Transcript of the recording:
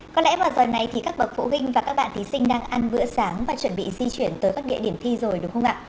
có lẽ là tuần này thì các bậc phụ huynh và các bạn thí sinh đang ăn bữa sáng và chuẩn bị di chuyển tới các địa điểm thi rồi đúng không ạ